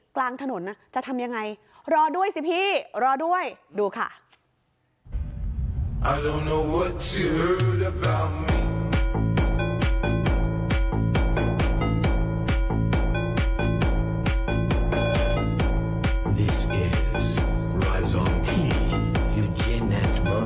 กลางถนนจะทำยังไงรอด้วยสิพี่รอด้วยดูค่ะ